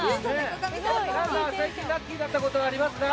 最近ラッキーだったことありましたか？